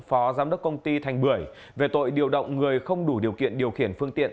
phó giám đốc công ty thành bưởi về tội điều động người không đủ điều kiện điều khiển phương tiện